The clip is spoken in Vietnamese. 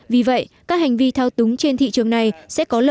vì vậy các hành vi thao túng trên thị trường này sẽ còn nhiều hơn